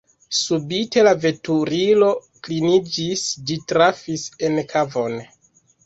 Subite la veturilo kliniĝis: ĝi trafis en kavon.